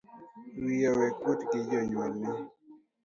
Wiyi owekuot gi janyuolni